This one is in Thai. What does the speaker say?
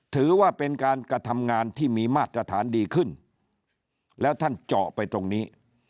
ถือว่าเป็นการกระทำงานที่มีมาตรฐานดีขึ้นแล้วท่านเจาะไปตรงนี้